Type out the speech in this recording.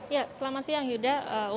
ya selama siang yuda